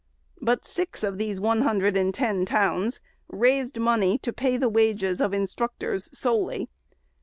But six of these one hundred and ten towns raised money " to pay the wages of instruct ors solely."